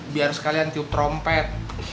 biar sekalian tiup trompet